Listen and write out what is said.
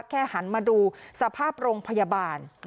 หันมาดูสภาพโรงพยาบาล